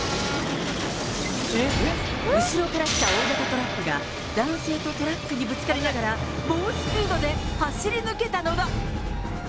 後ろから来た大型トラックが、男性とトラックにぶつかりながら猛スピードで走り抜けたのだ。